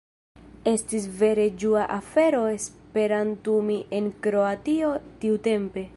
Estis vere ĝua afero esperantumi en Kroatio tiutempe.